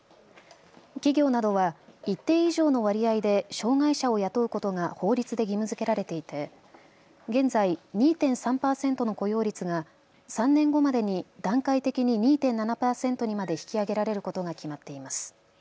企業などは一定以上の割合で障害者を雇うことが法律で義務づけられていて現在、２．３％の雇用率が３年後までに段階的に２．７％にまで引き上げられることが決まっています。